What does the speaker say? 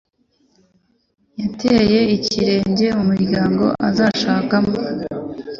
Yateye ikirenge mu muryango azashakamo